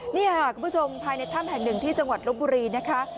นี่ค่ะคุณผู้ชมภายในถ้ำแห่งหนึ่งที่จังหวัดลบบุรีนะคะ